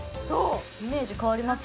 イメージ変わります